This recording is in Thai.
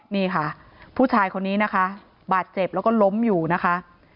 นี่ค่ะผู้ชายคนนี้นะคะบาดเจ็บแล้วก็ล้มอยู่นะคะ